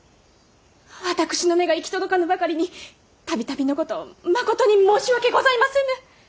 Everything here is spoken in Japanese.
私の目が行き届かぬばかりに度々のことまことに申し訳ございませぬ！